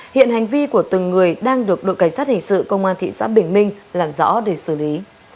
hiện hành vi của từng người đang được đội cảnh sát hình sự công an thị xã bình minh làm rõ để xử lý